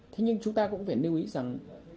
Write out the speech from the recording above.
thế nhưng chúng ta cũng phải lưu ý rằng